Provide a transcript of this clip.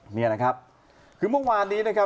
นี่นะครับคือเมื่อวานนี้นะครับ